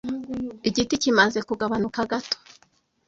igiti kimaze kugabanuka gato